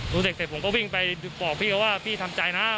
ดูเด็กเสร็จผมก็วิ่งไปบอกพี่เขาว่าพี่ทำใจนะ